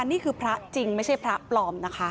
นี่คือพระจริงไม่ใช่พระปลอมนะคะ